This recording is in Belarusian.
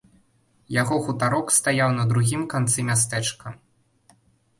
Яго хутарок стаяў на другім канцы мястэчка.